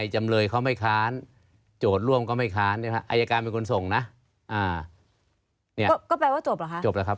หมายความว่าเมื่อส่งบันทึกถ้อยคำ